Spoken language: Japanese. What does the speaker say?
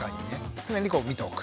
常に見ておく。